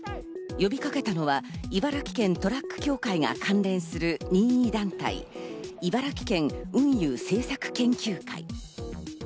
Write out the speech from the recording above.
呼びかけたのは茨城県トラック協会が関連する任意団体、茨城県運輸政策研究会。